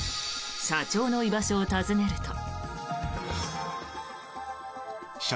社長の居場所を尋ねると。